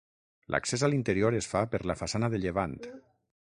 L'accés a l'interior es fa per la façana de llevant.